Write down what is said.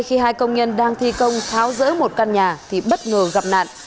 khi hai công nhân đang thi công tháo rỡ một căn nhà thì bất ngờ gặp nạn